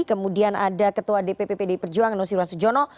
kemudian ada ketua dpp pdi perjuangan nusirwan sujono